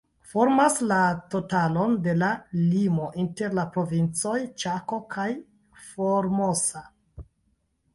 Formas la totalon de la limo inter la Provincoj Ĉako kaj Formosa.